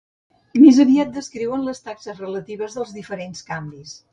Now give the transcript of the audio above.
Més aviat descriuen les taxes relatives dels diferents canvis.